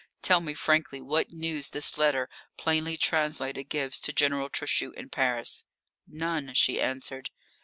Tell me frankly what news this letter, plainly translated, gives to General Trochu in Paris." "None," she answered.